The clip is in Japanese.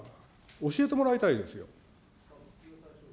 教えてもらいたいですよ。